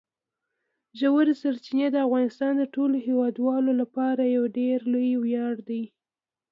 ژورې سرچینې د افغانستان د ټولو هیوادوالو لپاره یو ډېر لوی ویاړ دی.